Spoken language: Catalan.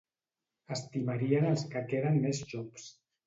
Estimarien els que queden més xops.